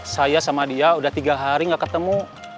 saya sama dia udah tiga hari gak ketemu